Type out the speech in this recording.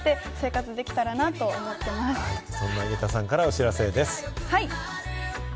そんな井桁さんからお知らせです。